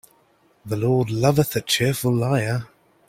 The Lord loveth a cheerful liar.